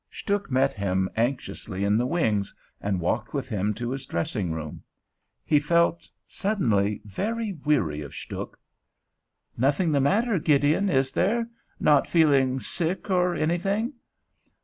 Stuhk met him anxiously in the wings, and walked with him to his dressing room. He felt suddenly very weary of Stuhk. "Nothing the matter, Gideon, is there? Not feeling sick or anything?"